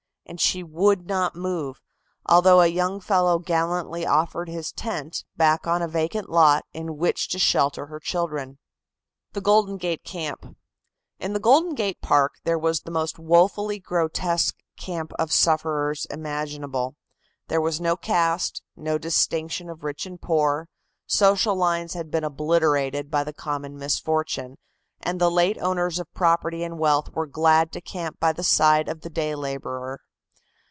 And she would not move, although a young fellow gallantly offered his tent, back on a vacant lot, in which to shelter her children. THE GOLDEN GATE CAMP. In the Golden Gate Park there was the most woefully grotesque camp of sufferers imaginable. There was no caste, no distinction of rich and poor, social lines had been obliterated by the common misfortune, and the late owners of property and wealth were glad to camp by the side of the day laborer.